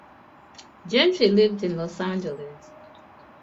Gentry lives in Los Angeles.